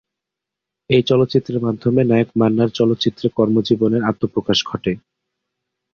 এই চলচ্চিত্রের মাধ্যমে নায়ক মান্নার চলচ্চিত্রে কর্মজীবনের আত্মপ্রকাশ ঘটে।